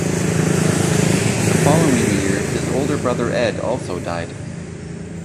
The following year his older brother Ed also died.